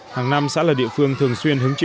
thực hiện đảm bảo và đủ chất hình dưỡng cho học sinh